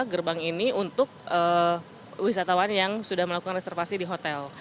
gerbang ini untuk wisatawan yang sudah melakukan reservasi di hotel